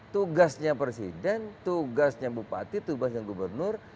tugasnya presiden tugasnya bupati tugasnya gubernur